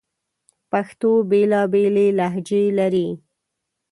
پښتو بیلابیلي لهجې لري